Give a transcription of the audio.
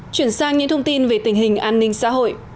chuyển sang những thông tin về tình hình an ninh xã hội